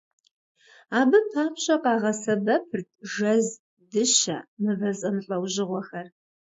Абы папщӀэ къагъэсэбэпырт жэз, дыщэ, мывэ зэмылӀэужьыгъуэхэр.